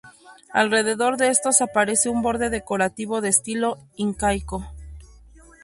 Alrededor de estos aparece un borde decorativo de estilo incaico.